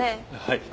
はい。